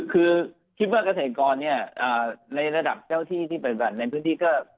คิดว่าเกษตรกรในระดับเจ้าที่ที่แบ่งกันในพื้นที่ก็